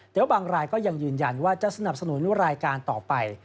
เดี๋ยวบางรายก็ยังยืนยันว่าจะสนับสนุนรายการต่อไป